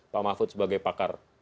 pak mahfud sebagai pakar